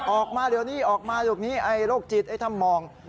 ออกมาเดี๋ยวนี้ออกมาเดี๋ยวนี้ไอ้โรคจิตไอ้ถ้ำมอง